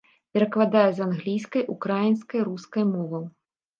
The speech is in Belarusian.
Перакладае з англійскай, украінскай, рускай моваў.